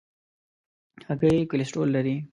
هګۍ کولیسټرول لري.